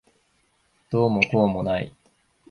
どうもこうもない。